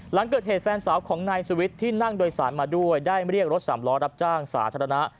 หลังเกิดเหตุแฟนสาวของนายสุวิทย์ที่นั่งโดยสารมาด้วยได้เรียกรถสามล้อรับจ้างสาธารณะ